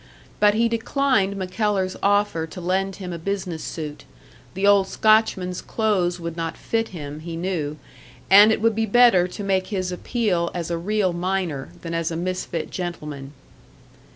But he declined MacKellar's offer to lend him a business suit; the old Scotchman's clothes would not fit him, he knew, and it would be better to make his appeal as a real miner than as a misfit gentleman.